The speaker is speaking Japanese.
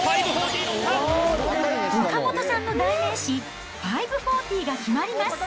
岡本さんの代名詞、５４０が決まります。